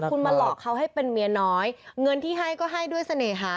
คุณมาหลอกเขาให้เป็นเมียน้อยเงินที่ให้ก็ให้ด้วยเสน่หา